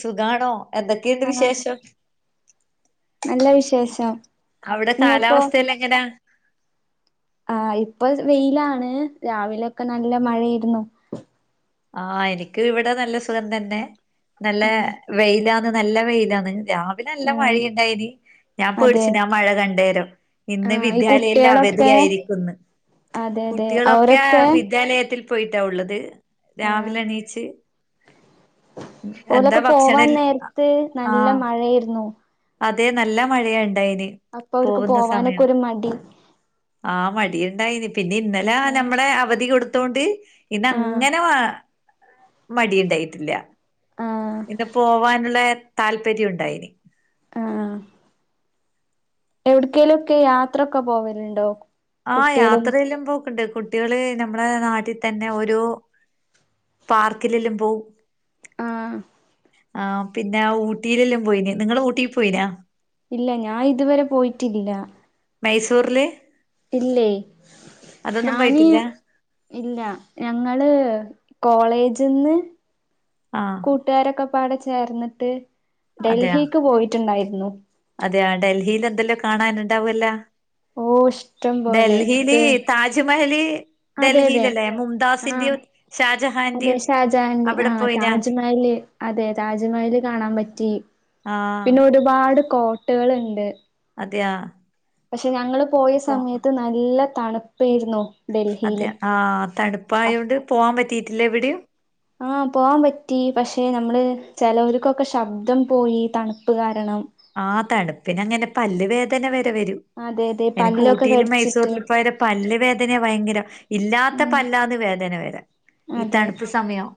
സുഖാണോ എന്തൊക്കെയുണ്ട് ആഹ് വിശേഷം? നല്ല വിശേഷം അവിടെ ഇങ്ങക്കോ? [unintelligible] ആഹ് ഇപ്പൊ വെയിലാണ്. രാവിലെയൊക്കെ നല്ല മഴയ്രുന്നു. ആഹ് എനിക്ക് ഇവിടെ നല്ല സുഖം തന്നെ. നല്ല ആഹ് വെയിലാന്ന് നല്ല വെയിലാന്ന് രാവിലെ നല്ല ഉം മഴയിണ്ടായിനി ഞാൻ അതെ പേട്ച്ചീന് ആ മഴ കണ്ടേരം ഇന്ന് ആഹ് ഈ വിദ്യാലയം എല്ലാം കുട്ടികളൊക്കെ അവധിയായിരിക്കുംന്ന് അതെ അതെ കുട്ട്യാളൊക്കെ അവരൊക്കെ വിദ്യാലയത്തിൽ പോയിട്ടാ ഉള്ളത് ആഹ് രാവിലെ ണീച്ച് ഓലൊക്കെ പോവാൻ നേര്ത്ത് നല്ല ആഹ് മഴയേർന്നു. അതെ നല്ല മഴയാ ഇണ്ടായിന് അപ്പൊ അവർക്ക് പോവുന്ന പോവാനൊക്കെ സമയം ഒരു മടി ആഹ് മടി ഇണ്ടായിന്ന് പിന്നെ ഇന്നലെ ആഹ് നമ്മളെ അവധി കൊടുത്തോണ്ട് ആഹ് ഇന്നങ്ങനാ മടി ഇണ്ടായിട്ടില്ല. ആഹ് ഇന്ന് പോവാന്ള്ള താല്പര്യം ഉണ്ടായിനി ആഹ് എവ്ട്ക്കേലും ഒക്കെ യാത്രൊക്കെ പോവല്ണ്ടോ? ആഹ് യാത്രയെല്ലം പോക്ക്ണ്ട് കുട്ട് ട്ട്യോള് നമ്മളേ നാട്ടി തന്നെ ഒരു പാർക്കിലെല്ലും പോവും. ആഹ് ആഹ് പിന്നെ ഊട്ടിയിലെല്ലാം പോയിന്. നിങ്ങള് ഊട്ടി പോയിനാ? ഇല്ല ഞാ ഇതുവരെ പോയിറ്റില്ല. മൈസൂർല് ഇല്ലേ ഞാന് പോയിട്ടില്ല ഇല്ല ഞങ്ങള് കോളേജ്ന്ന് ആഹ് കൂട്ടാരൊക്കെ പാടെ ചേർന്നിട്ട് അതെയാ ഡൽഹിക്ക് പോയിട്ടുണ്ടായിര്ന്നു. അതെയാ ഡൽഹീല് എന്തൊല്ലോ കാണാനുണ്ടാവൊല്ലാ ഓ ഇഷ്ടം പോലെ ഡൽഹീല് ഇത് താജ്മഹല് അതെ അതെ ഡൽഹിലല്ലേ ആഹ് മുംതാസിന്റെയും ഷാജഹാൻ അതെ ഷാജാഹന്റെ ആഹ് താജ്മഹല് അതെ താജ്മഹല് കാണാൻ പറ്റി. ആഹ് പിന്നെ ഒരുപാട് കോട്ടകള്ണ്ട്. അതെയാ പഷേ ഞങ്ങള് പോയ കൊ സമയത്ത് നല്ല തണുപ്പേര്ന്നു. അതെ ആഹ് തണുപ്പായൊണ്ട് പോവാൻ പറ്റീട്ടില്ലെ എവിടെയും ആഹ് പോവാൻ പറ്റി പഷേ നമ്മള് ചെലോര്ക്കൊക്കെ ശബ്ദം പോയി തണുപ്പ് കാരണം ആഹ് തണുപ്പിന് അങ്ങനെ പല്ല് വേദന വരെ വരും. അതെ അതെ എനിക്ക് പല്ലൊക്കെ ഊട്ടിയിലും കടിച്ചിട്ട് മൈസൂർലും പോയര പല്ല് വേദന ഭയങ്കരം. ഇല്ലാത്ത ഉം പല്ലാന്ന് വേദന വരാ. ഈ അതെ തണുപ്പ് സമയം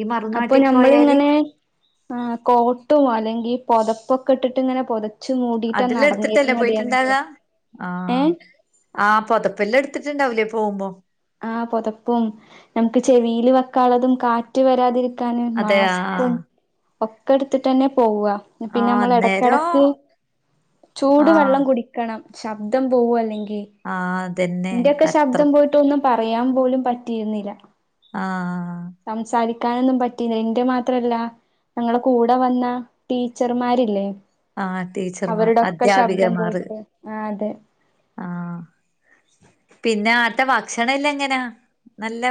ഈ അപ്പൊ മറുനാട്ടി പോയാല് ഞമ്മളിങ്ങനെ ആഹ് കോട്ടും അല്ലെങ്കി പൊതപ്പൊക്കെ ഇട്ട്ട്ട് ഇങ്ങനെ പൊത അതെല്ലാ എട്ത്തിട്ടല്ലേ പോയിട്ടുണ്ടാകാ ആഹ് ഏഹ് ആഹ് പൊതപ്പെല്ലാം ഇട്ത്തിട്ടുണ്ടാവൂലേ പോമ്പോ ആഹ് പൊതപ്പും നമ്മക്ക് ചെവീല് വെക്കാള്ളതും കാറ്റ് വരാതിരി ക്കാന് അതെ മാസ്ക്കും ആഹ് ഒക്കെ ഇട്ത്തിട്ടെന്നെ പോവ. പിന്നെ ആഹ് നമ്മള അന്നേരം എടക്കടക്ക് ചൂട് ആഹ് വെള്ളം കുടിക്കണം. ശബ്ദം പോവു അല്ലെങ്കി ആഹ് അതെന്നെ അത്ര ട്ടൊന്നും പറയാൻ പോലും പറ്റീര്ന്നില്ല ആഹ് സംസാരിക്കാനൊന്നും പറ്റില്ല എന്റെറെ മാത്രല്ല ഞങ്ങളുടെ കൂടെ വന്ന ടീച്ചർമാരില്ലേ ആഹ് ടീച്ചർമാർ അവരുടെക്കെ ശബ്ദം പോയിട്ട് ആ അതെ ആഹ പിന്നെ ആട്ട ഭക്ഷണം എല്ലാം എങ്ങനെയാ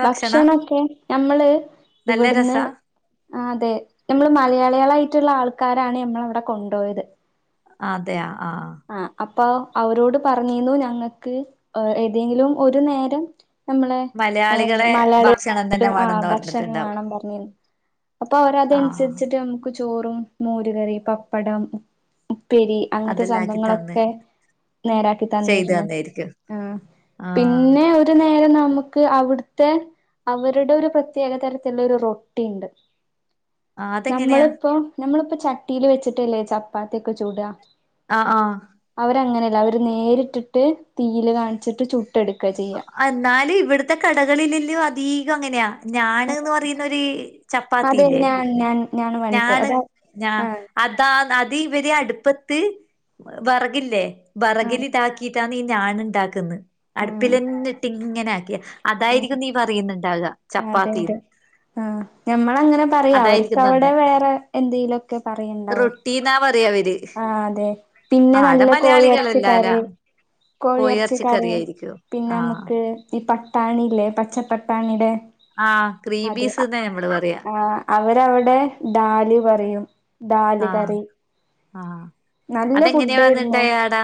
ഭക്ഷണംക്കെ ഞമ്മള് നല്ല ഇവിടുന്ന് രസാ ആ അതെ നമ്മൾ മലയാളയാളായിട്ടുള്ള ആൾക്കാരാണ് നമ്മൾ അവിടെ കൊണ്ടുപോയത് അതെയ ആഹ ആ അപ്പൊ അവരോട് പറഞ്ഞിന്നു ഞങ്ങൾക്ക് ഏതെങ്കിലും ഒരു നേരം നമ്മളെ മലയാളികളെ ഭക്ഷണം മലയാളിക തന്നെ ആ വേണംന്ന് ഭക്ഷണം പറഞ്ഞിട്ടുണ്ടാവും വേണം പറഞ്ഞിന്ന് അപ്പൊ അവര ആഹ് അതനുസരിച്ചിട്ട് നക്ക് നമുക്ക് ചോറും മോര്കറി പപ്പടം ഉപ്പേരി അങ്ങനത്തെ അതെല്ലാം ആക്കി തന്ന് സംഭങ്ങളൊക്കെ നേരാക്കി ചെയ്തു തന്നിരുന്നു തന്നായിരിക്കും ആ ആഹ് പിന്നെ ഒരു നേരം നമുക്ക് അവിടുത്തെ അവരുടെ ഒരു പ്രത്യേക തരത്തിലുള്ള ഒരു റൊട്ടിയുണ്ട് ആഹ് അതെങ്ങനെയാ നമ്മളിപ്പോ നമ്മളിപ്പോ ചട്ടിൽ വെച്ചിട്ടല്ലേ ചപ്പാത്തിയൊക്കെ ചൂട ആഹ ആഹ അവരങ്ങനെയല്ല അവര് നേരിട്ടിട്ട് തീയില് കാണിച്ചിട്ട് ചുട്ട എടുക്കുക ചെയ്യാ എന്നാല ഇവിടത്തെ കടകളിലെല്ലോ അധീകം അങ്ങനെയാ ഞാണ്ന്ന് പറയുന്നൊരു ചപ്പാത്തില്ലേ ഞൻ ഞ ഞാണ് ഞാ അതാ അത് ഇവരെ അടുപ്പത്ത് വിറകില്ലേ ആഹ് വിറകിൽതാക്കി ഇട്ടാ ഞാണ് ഉണ്ടാക്കന്ന് അടുപ്പില ആഹ് എന്നിട്ട് ഇങ്ങനെ ആക്കിയ അതായിരിക്കും ആഹ് നീ പറയുന്നുണ്ടാവുക ചപ്പാത്തിന്ന് ആ ഞമ്മള അങ്ങനെ പറയാ അവർക്ക് അതായിരിക്കും അവിടെ വേറെ എന്തെങ്കിലും ഒക്കെ പറയും റൊട്ടി ന്നാ പറയാവര് ആ അതെ പിന്നെ ആടെ നല്ല കോഴി ഇറച്ചി മലയാളികളല്ലാലാ കറി കോഴി ഇറച്ച കറി കോഴിയെറച്ചിക്കറിയായിരിക്കും പിന്നെ ആഹ് നമക്ക് ഈ പട്ടാണില്ലേ പച്ചപ്പട്ടാണിയുടെ ആഹ് ക്രീബീസ്ന്നാ നമ്മള് പറയാ ആഹ് അവരവിടെ ദാല് പറയും ഡാല് ആഹ് കറി ആഹ് നല്ല ഫുഡായിരുന്നു അതെങ്ങനെയാണ്ടായ ആടാ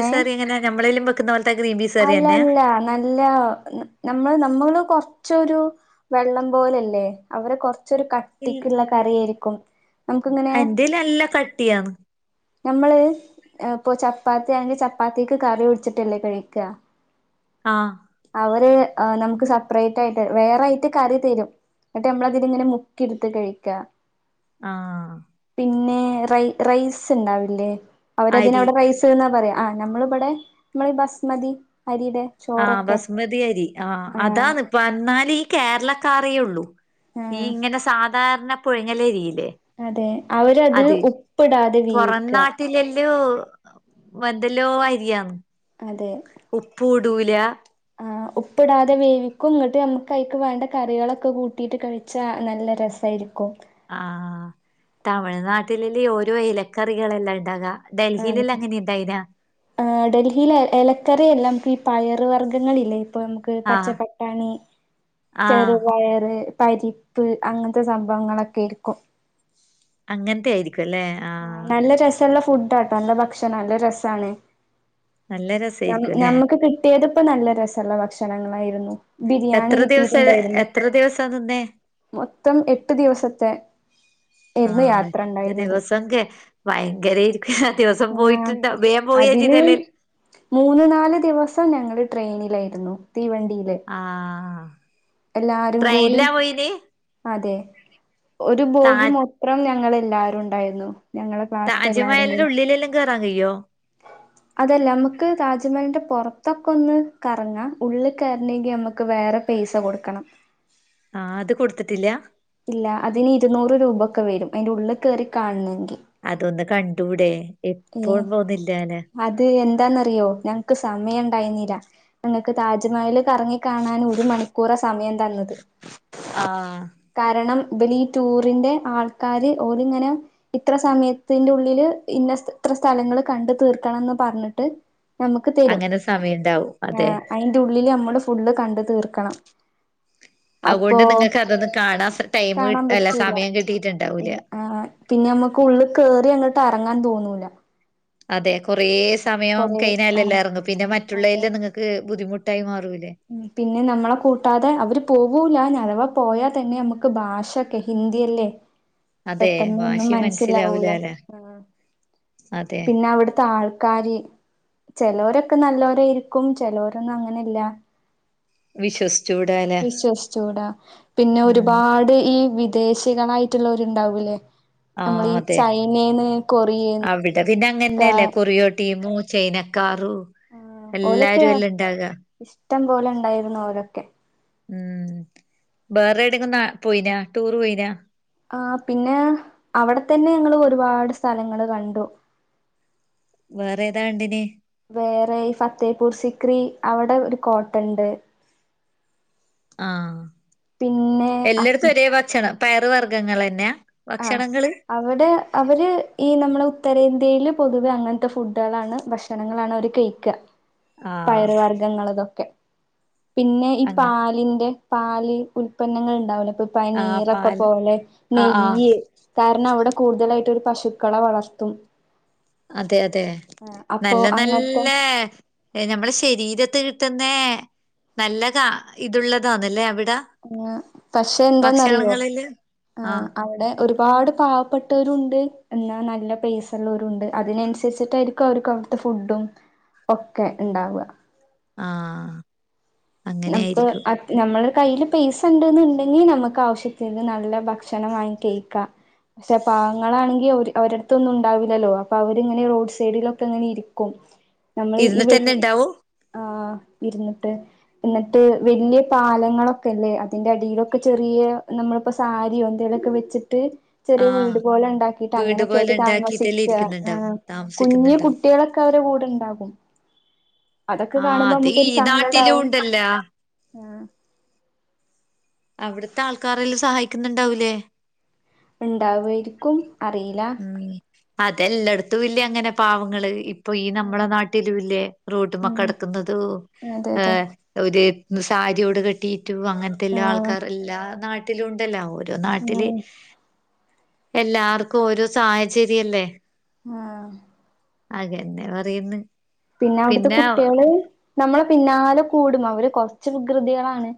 ഏഹ് എങ്ങനെ നമ്മളെലു വെക്കുന്നത്തെ ഗ്രീബീസാറിയന്നെ അല്ല നമ്മള് നമ്മള് കൊറച്ചൊരു വെള്ളപോലല്ലേ അവരെ കൊറച്ചൊരു കട്ടിക്കുള്ള കറിയായിരിക്കും നമുക്കിങ്ങനെ എൻ്റെല്ലോ നല്ലകട്ടിയാന്ന് നമ്മള് പ്പോ ചപ്പാത്തിയാണെങ്കിൽ ചപ്പാത്തിക്ക് കറി ഒടിച്ചിട്ടല്ലേ കഴിക്കുക ആഹ് അവര് നമ്മക്ക് സെപ്രയിറ്റായിറ്റ് വേറെ ആയിട്ട് കറി തരും ന്നട്ട് നമ്മളതലിങ്ങനെ മുക്കിയെടുത്ത് കഴിക്കാ ആഹ് പിന്നെ റൈ റൈസ് ഇണ്ടാവില്ലേ അരി അവരതിനവിടെ റൈസ് റെസ്ന്നാ പറയാ ആഹ് നമ്മളിവിടെ നമ്മള് ബസ്മതി അരിടെ ആഹ് ബസ്മതിഅരി ആഹ് അതാണ് എന്നാല് ഈ കേരളക്കാറി ഉള്ളൂ ഈ ആഹ് ഇങ്ങനെ സാധാരണ പുഴങ്ങലരില്ലേ അതെ അവരത് ഉപ്പ്ടാതെ വേവിക്ക [unintelligible] വന്തെല്ലോ ആരിയാന്ന് അതെ ഉപ്പൂടൂലാ ആഹ് ഉപ്പിടാതെ വേവിക്കും ങ്ങട്ട് അമ്മക്ക് അയ്ക്ക് വേണ്ട കറികളൊക്കെ കൂട്ടിട്ട് കഴി ച്ച നല്ല രസായിരിക്കും. ആഹ് തമിഴ്നാട്ടില് ല് ഓരോ ഇലക്കറികളെല്ലാം ഇണ്ടാക ഡൽഹി ലെല്ല അങ്ങനെ ഇണ്ടായിനാ? ഏഹ് ഡൽഹില് എ എലക്കറിയല്ല മക്ക് ഈ പയർ വർഗ്ഗങ്ങളില്ലേ ഇപ്പൊ അമ്മക്ക് എഹ് ആഹ് പച്ചപ്പട്ടാണി, ആഹ് ചെറുപയറ്, പരി പ്പ് അങ്ങൻത്തെ സംഭവങ്ങളൊക്കെര്ക്കും അങ്ങൻത്തെയിരിക്കുല്ലെ ആഹ് ആഹ് നല്ല രസള്ള ഫുഡാട്ടോ അല്ല ഭക്ഷണാ അല്ല രസാണ്. നല്ല നം രസായിരിക്കും അല്ലേ നമ്മക്ക് കിട്ട്യേത്പ്പോ നല്ല രസള്ള ഭക്ഷണങ്ങളായിരുന്നു. ബിരിയാണി എത്ര ദിവസം കിട്ടിട്ട്ണ്ടായിര്ന്നു എത്ര ദിവസാ നിന്നേ മൊത്തം എട്ട് ദിവസത്തെ ഇര്ന്ന് യാത്ര ഇണ്ടായിര്ന്നത്. വയങ്കരേര്ക്കും ദിവസം പോയിട്ടുണ്ടോ ബേം പോയെ അതില് ചെയ്തല്ലേല് മൂന്ന് നാല് ദിവസം ഞങ്ങള് ട്രെയിനിലായിരുന്നു തീവണ്ടിയില്. ആഹ് എല്ലാരും കൂടി ട്രെയിൻലാ പോയി നി? അതെ ഒരു ബോഗി മൊത്രം ഞങ്ങല്ലാരുണ്ടായിരുന്നു ഞങ്ങളെ ക്ലാസ്ത്തെ എല്ലാരും താജ്മഹലിൻ്റെ കൂടി ഉള്ളിലെല്ലാം കേറാൻകയ്യോ? അതല്ല അമ്മക്ക് താജ്മഹലിൻ്റെ പൊർത്തൊക്കെ ഒന്ന് കറങ്ങാം ഉള്ള് കേറണെങ്കി അമ്മക്ക് വേറെ പൈസ കൊട്ക്കണം. ആഹ് അത് കൊട്ത്തിട്ടില്ലാ. ഇല്ല അതിന് ഇരുന്നൂറ് രൂപൊക്കെ വരും അയ്ൻ്റുള്ളിൽ കേറി കാണണെങ്കി. അതൊന്ന് കണ്ടൂടെ ഏഹ് എപ്പോന്നുന്നില്ലാല. അത് എന്താന്നറിയോ ഞങ്ങക്ക് സമയണ്ടായിന്നില്ല. ഞങ്ങക്ക് താജ്മഹല് കറങ്ങി കാണന് ഒര്മണിക്കൂറാ സമയം തന്നത്. ആഹ് കാരണം ഇബലീ ടൂറിന്റെ ആൾക്കാര് ഓലിങ്ങനെ ഇത്ര സമയത്തിൻ്റുള്ളില് ഇന്ന ഇത്ര സ്ഥലങ്ങള് കണ്ട് തീർക്കണന്ന് പർഞ്ഞിട്ട് അമ്മക്ക് തെരും അങ്ങനെ സമയണ്ടാവും അതെ ഏഹ് അയൻ്റുള്ളില് അമ്മള് ഫുള്ള് കണ്ട്തീർക്കണം. അപ്പൊ അതുകൊണ്ട് നിങ്ങൾക്ക് അതൊന്ന് കാണാൻ ടൈം കാണാൻ അല്ല പറ്റീലാ സമയം കിട്ടിയിട്ടുണ്ടാവൂല ഇനി ആഹ് പിന്നെ അമ്മക്ക് ഉള്ള് കേറ്യാ ങ്ങട്ടർങ്ങാൻ തോന്നൂല്ല. അതെ കുറേ സമയം കൊറേ ആ കഴിഞ്ഞാലല്ലെ എർങ്ങു പിന്നെ അതെ മറ്റുള്ളയ്ലൊന്നും നിങ്ങക്ക് ബുദ്ധിമുട്ടായി മാറൂല്ലേ. ഉം പിന്നെ നമ്മളെ കൂട്ടാതെ അവർ പോവൂല അതവ പോയാ തന്നെ അമ്മക്ക് ഭാഷൊക്കെ ഹിന്ദിയല്ലേ അതെ പെട്ടെന്നൊന്നും ഭാഷിം മനസ്സിലാവൂല മൻസ്സിലാവൂലാല ആഹ് പിന്നെ അവ്ട്ത്തെ ആൾക്കാര് ചെലോരൊക്കെ നല്ലോരായിര്ക്കും ചെലോരൊന്നും അങ്ങനല്ല വിശ്വസി വിശ്വസിച്ചൂടാ പിന്നെ ഉം ഒരുപാട് ഈ വി ദേശികളായിട്ടുള്ളോര്ണ്ടാവൂല്ലേ നമ്മൾ ആഹ് ഈ അതെ ചൈനേന്ന് കൊറിയേ [unintelligible] പിന്നെ അങ്ങൻനല്ലേ കൊറിയോ ടീമ് ചൈനക്കാറു ഉം ഓലൊക്കെ എല്ലാരും അല്ലേ ഇണ്ടാക ഇഷ്ടം പോലെണ്ടായിര്ന്നു ഓലൊക്കെ ഉം ബെറെ വടെങ്കും നാ പോയിനാ ടൂർ പോയിനാ? ആഹ് പിന്നെ അവടെ തന്നെ ഞങ്ങൾ ഒരുപാട് സ്ഥലങ്ങള് കണ്ടു. വേറെതാ കണ്ടിനെ? വേറെ ഈ ഫത്തേപൂർ സ്ക്രി അവടെ ഒരു കോട്ടണ്ട്. ആഹ് പിന്നെ അക് എല്ലടത്തും ഒരേ ഭക്ഷണ പയർ വർഗങ്ങളെന്നാ? ഭക്ഷണങ്ങള് അവടെ അവര് ഈ നമ്മളെ ഉത്തരേന്ത്യയില് പൊതുവെ അങ്ങൻത്തെ ഫുഡളാണ് ഭക്ഷണങ്ങളാണ് അവര് കഴി ക്ക ആഹ് പയറ് വർഗങ്ങൾ അതൊക്കെ പിന്നെ ഈ അങ്ങനെ പാലിന്റെ പാല് ഉൽപന്നങ്ങള്ണ്ടാവൂല്ലേ ഇപ്പൊ ആഹ് പനീരൊക്കെ പാല് പോലെ ന ആഹ് ആഹ് കാരണം അവിടെ കൂടുതലായിട്ട് ഒര് പശുക്കളെ വളർത്തും അതെ അതെ ആഹ് അപ്പൊ നല്ല അങ്ങനത്തെ നല്ല ഏഹ് നമ്മളെ ശരീരത്ത് കിട്ടുന്ന നല്ല കാ ഇതുള്ളതാന്നല്ലേ അവിടെ ആഹ്‌ പക്ഷെ എന്താന്നറിയോ ഭക്ഷണങ്ങളില് ആ ആഹ് അവിടെ ഒരുപാട് പാവപ്പെട്ടവരുണ്ട് എന്നാ നല്ല പൈസള്ളവരുണ്ട് അതിനനുസരിച്ചിട്ടായി ക്കും ഒക്കെ അവർക്ക് അവിടത്തെ ഫുഡും ഒക്കെ ഉണ്ടാവുക ആഹ് നമുക്ക് അങ്ങനെയായിരിക്കും അ നമ്മളെ കയ്യിൽ പൈസ ഉണ്ടെന്നുണ്ടെങ്കി നമുക്ക് ആവശ്യത്തിത് നല്ല ഭക്ഷണം വാങ്ങി കഴിക്കാം പക്ഷെ പാവങ്ങളാണെങ്കി ഓര് അവരടുത്തൊന്നും ഉണ്ടാവില്ലല്ലോ അപ്പൊ അവരിങ്ങനെ റോഡ് സൈഡിലൊക്കെ ഇങ്ങനെ ഇരിക്കും നമ്മൾ ഈ ഇരുന്നിട്ടെന്നെ വഴി ഇണ്ടാവും ആ ഇരുന്നിട്ട് ഇന്നിട്ട് വലിയ പാലങ്ങളൊക്കെല്ലേ അതിന്റെ അടിയിലൊക്കെ ചെറിയ നമ്മൾ ഇപ്പൊ സാരിയോ എന്തെലൊക്കെ വെച്ചിട്ട് ചെറിയ ആഹ് വീട് പോലെ ഉണ്ടാക്കിട്ട് വീട് അങ്ങനെയൊക്കെ പോലെ അവര് ഇണ്ടാക്കിട്ടല്ലേ താമസിക്ക ഇരിക്കുന്നുണ്ടാവും കുഞ്ഞു താമസിക്കുന്നുണ്ടാവും കുട്ടികളെ ക്കെ അവരെ കൂടെണ്ടാകും അതൊക്കെ ആഹ് കാണുമ്പോ അത് ഈ നമുക്കൊരു നാട്ടിലും സങ്കടാവും ഉണ്ടല്ലോ ആഹ് അവിടുത്തെ ആൾക്കാരെല്ല സഹായിക്കുന്നുണ്ടാവൂലേ ഇണ്ടാവായിരിക്കും അറിയി ഉം അതെല്ലായിടത്തും ഇല്ലേ അങ്ങനെ പാവങ്ങള് ഇപ്പൊ ഈ നമ്മളെ നാട്ടിലും ഇല്ലേ റോട്ടിമ്മെ ഉം കെടക്കുന്നതും അതെ അതെ ഏഹ്‌ ഒരു സാരിയോട് കെട്ടിയിട്ടു അങ്ങനത്തെ എല്ലാ ആഹ് ആൾക്കാർ എല്ലാ നാട്ടിലും ഉണ്ടല്ലോ ഓരോ നാട്ടില് ഉം എല്ലാർക്കും ഓരോ സാഹചര്യല്ലേ ആഹ് അതന്നെ പറയ്ന്ന് പിന്നെ അവിടുത്തെ കുട്ടികള് നമ്മളെ പിന്നാലെ കൂടും അവര് കൊറച്ച് വികൃതികളാണ്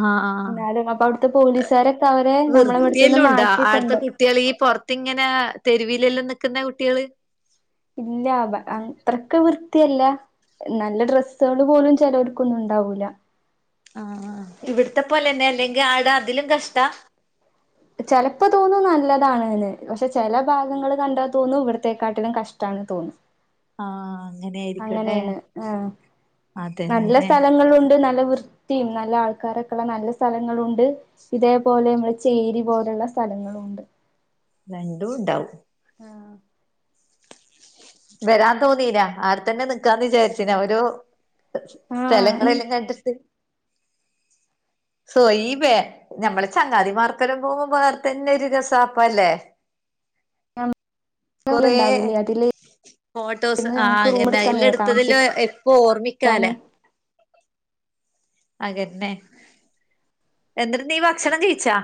ആഹ് ആഹ്‌ എന്നാലും അപ്പൊ അവിടുത്തെ പോലീസുകാരൊക്കെ അവരെ നമ്മളെ ഇവിടുത്തുന്ന് വൃത്തിയെല്ലാം ഉണ്ടാ അടുത്തെ മാറ്റിക്കൊണ്ട് കു ട്ടികള് ഈ പുറത്ത് ഇങ്ങനെ തെരുവിലെല്ലാം നിക്കുന്ന കുട്ടികള് ഇല്ല അത്രക്ക് വൃത്തിയല്ല നല്ല ഡ്രസ്സുകള് പോലും ചെലർക്കൊന്നും ഉണ്ടാവൂല്ല ആഹ്‌ ആഹ് ഇവിടത്തെ പോലെന്നെ അല്ലെങ്കിൽ ആടെ അതിലും കഷ്ടാ ചെലപ്പോ തോന്നു നല്ലതാണ്ന്ന്‌ പക്ഷെ ചെല ഭാഗങ്ങള് കണ്ടാൽ തോന്നു ഇവിടത്തെക്കാട്ടിലും കഷ്ടണ്ന്ന് തോന്നു ആഹ്‌ അങ്ങനെയാണ് ആഹ്‌ നല്ല അതന്നെ സ്ഥലങ്ങളുണ്ട് നല്ല വൃത്തി ത്തി നല്ല ആൾക്കാരൊക്കെയുള്ള നല്ല സ്ഥലങ്ങളുണ്ട് ഇതേപോലെ നമ്മള് ചേരി പോലെയുള്ള സ്ഥലങ്ങളും ഉണ്ട് രണ്ടു ഉണ്ടാവു ആഹ്‌ വരാ തോന്നീലാ ആടുത്തന്നെ നിക്കാന്ന് വിചാരിചുനാ ഒരു ആഹ് സ്ഥലങ്ങളെല്ലാം കണ്ടിട്ട് സുഹൈബേ ഞമ്മള് ചങ്ങാതിമാർക്കൊരം പോകുമ്പോ വേർത്തന്നെ ഒരു രസാപ്പ അല്ലേ ഞ ഞമ്മള് കൊറേ ഉണ്ടാവില്ലേ അതില് ഫോട്ടോസ് ഇന്ന് ഞങ്ങക്ക് ആഹ്‌ റൂം എന്താ അയിൽ എടുത്തന്നേ എടുത്തതില് താമസിക്കാന് എപ്പൊ ഓർമ്മിക്കാലെ അതെന്നെ എന്നിട്ട് നീ ഭക്ഷണം കഴിച്ചോ?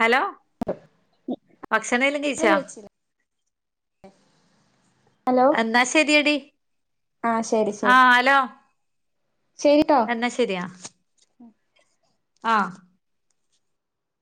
ഹലോ ഭക്ഷണേലും കഴിച്ചോ? [inaudible] എന്നാ ശരിയെടി ആഹ് ശരി ശരി ആഹ്‌ ഹലോ ശരിട്ടോ എന്നാ ശരി ആഹ് ആഹ്